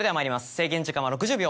制限時間は６０秒。